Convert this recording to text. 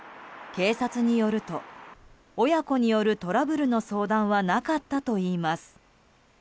警察によると親子によるトラブルの相談はなかったといいます。